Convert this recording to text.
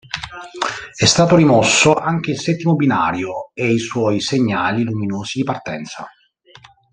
È stato rimosso anche il settimo binario e i suoi segnali luminosi di partenza.